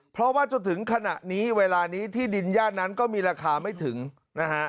เพราะว่าจนถึงขณะนี้เวลานี้ที่ดินย่านนั้นก็มีราคาไม่ถึงนะฮะ